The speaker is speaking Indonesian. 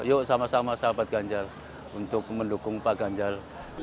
yuk sama sama sahabat ganjar untuk mendukung pak ganjar